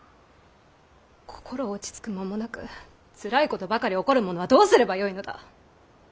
心落ち着く間もなくつらいことばかり起こる者はどうすればよいのだ！